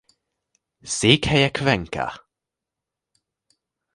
Székhelye Cuenca.